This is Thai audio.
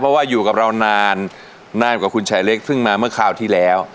เพราะว่าอยู่กับเรานานนานกว่าคุณชายเล็กซึ่งมาเมื่อคราวที่แล้ว